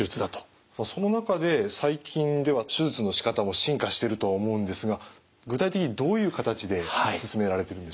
その中で最近では手術のしかたも進化してると思うんですが具体的にどういう形で進められてるんでしょう？